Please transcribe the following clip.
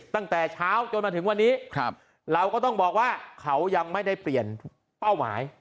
ตั้งแต่เช้าจนมาถึงวันนี้เราก็ต้องบอกว่าเขายังไม่ได้เปลี่ยนเป้าหมาย